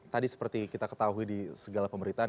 tadi seperti kita ketahui di segala pemerintahan